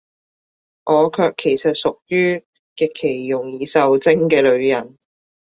我卻其實屬於，極其容易受精嘅女人